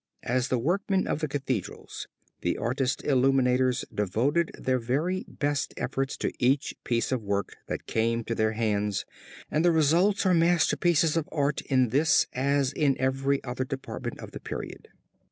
As the workmen of the Cathedrals, the artist illuminators devoted their very best efforts to each piece of work that came to their hands, and the results are masterpieces of art in this as in every other department of the period.